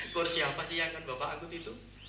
kursi apa sih yang akan bapak anggot itu